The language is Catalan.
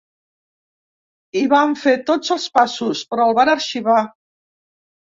I vam fer tots els passos, però el van arxivar.